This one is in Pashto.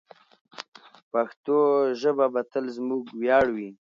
پښتو ژبه به تل زموږ ویاړ وي.